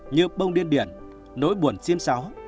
như bông điên điển nỗi buồn chim sáu